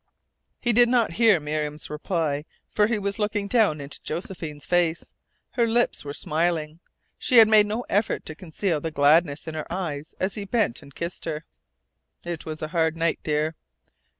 He did not hear Miriam's reply, for he was looking down into Josephine's face. Her lips were smiling. She made no effort to conceal the gladness in her eyes as he bent and kissed her. "It was a hard night, dear."